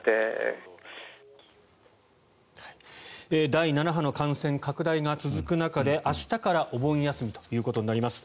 第７波の感染拡大が続く中で明日からお盆休みということになります。